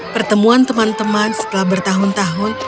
pertemuan teman teman setelah bertahun tahun